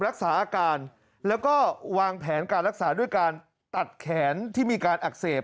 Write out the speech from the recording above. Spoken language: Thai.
รักษาอาการแล้วก็วางแผนการรักษาด้วยการตัดแขนที่มีการอักเสบ